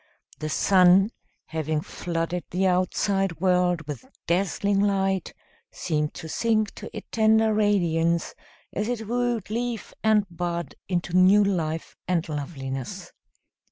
The sun, having flooded the outside world with dazzling light, seemed to sink to a tender radiance as it wooed leaf and bud into new life and loveliness.